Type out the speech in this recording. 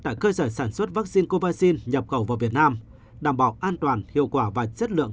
tại cơ sở sản xuất vaccine covid nhập khẩu vào việt nam đảm bảo an toàn hiệu quả và chất lượng